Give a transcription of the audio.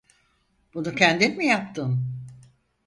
Bunu kendin mi yaptın?